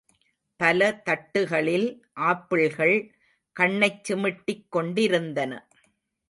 பல தட்டுகளில் ஆப்பிள்கள் கண்ணைச் சிமிட்டிக் கொண்டி ருந்தன.